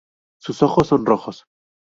Sus ojos son rojos.